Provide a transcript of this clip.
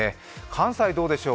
関西はどうでしょう。